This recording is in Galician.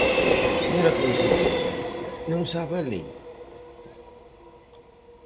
Señora conselleira, ¿non sabe a lei?